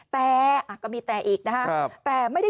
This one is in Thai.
แต่ก็มีแต่อีกนะครับ